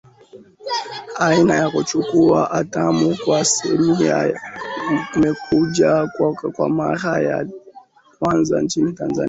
Aina ya kuchukua hatamu kwa Samia kumekuja kwa mara ya kwanza nchini Tanzania